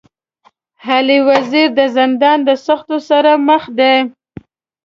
علي وزير د زندان د سختو سره مخ دی.